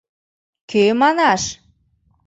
Кӧ манаш?..